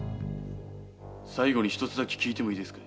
最後に一つだけ聞いてもいいですか？